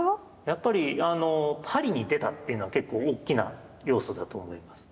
やっぱりパリに出たっていうのは結構大きな要素だと思います。